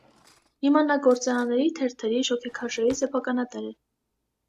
Հիմա նա գործարանների, թերթերի, շոգեքարշերի սեփականատեր է։